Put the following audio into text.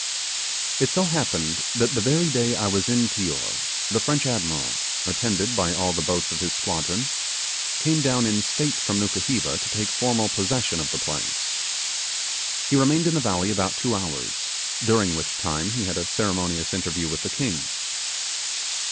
It so happened that the very day I was in Tior the French admiral, attended by all the boats of his squadron, came down in state from Nukuheva to take formal possession of the place. He remained in the valley about two hours, during which time he had a ceremonious interview with the king.